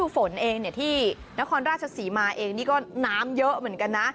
ฝนเองที่นครราชศรีมาเองนี่ก็น้ำเยอะเหมือนกันนะ